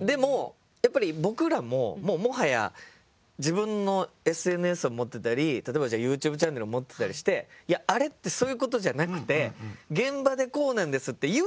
でもやっぱり僕らももはや自分のＳＮＳを持ってたり例えばＹｏｕＴｕｂｅチャンネルを持ってたりして「いやあれってそういうことじゃなくて現場でこうなんです」って言うことはできる。